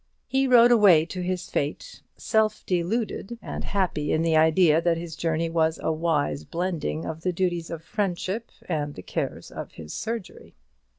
He rode away to his fate, self deluded, and happy in the idea that his journey was a wise blending of the duties of friendship and the cares of his surgery.